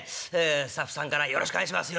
スタッフさんからよろしくお願いします